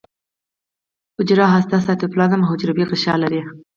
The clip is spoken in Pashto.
حجره هسته سایتوپلازم او حجروي غشا لري